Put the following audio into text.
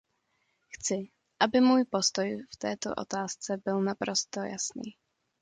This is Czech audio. Chci, aby můj postoj v této otázce byl naprosto jasný.